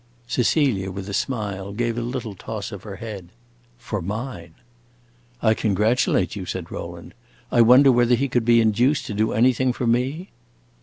Cecilia, with a smile, gave a little toss of her head. "For mine!" "I congratulate you," said Rowland. "I wonder whether he could be induced to do anything for me?"